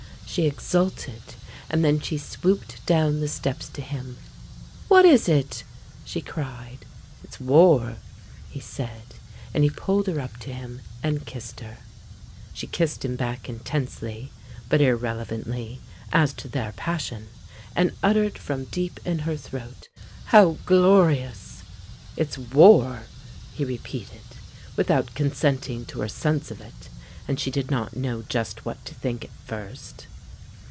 she exulted, and then she swooped down the steps to him. "What is it?" she cried. "It's war," he said, and he pulled her up to him, and kissed her. She kissed him back intensely, but irrelevantly, as to their passion, and uttered from deep in her throat, "How glorious!" "It's war," he repeated, without consenting to her sense of it; and she did not know just what to think at first.